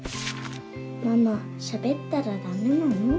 「ママしゃべったらダメなの？